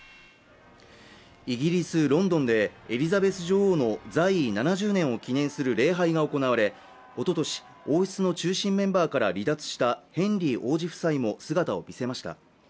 イギリスロンドンでエリザベス女王の在位７０年を記念する礼拝が行われおととし王室の中心メンバーから離脱したヘンリー王子夫妻も姿を見せました